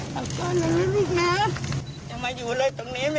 กลับบ้านรับนะลูกนะครับอยู่บ้านเรา